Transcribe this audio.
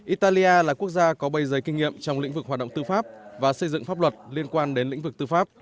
italia là quốc gia có bây kinh nghiệm trong lĩnh vực hoạt động tư pháp và xây dựng pháp luật liên quan đến lĩnh vực tư pháp